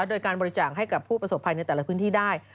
โดยการบริจาคให้กับผู้ประสบภัยในแต่ละพื้นที่ได้